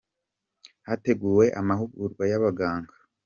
hateguwe amahugurwa y’abaganga.